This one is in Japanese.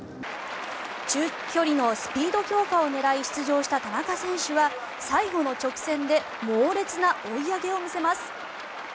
中距離のスピード強化を狙い出場した田中選手は最後の直線で猛烈な追い上げを見せます。